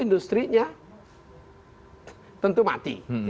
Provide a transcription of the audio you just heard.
industri nya tentu mati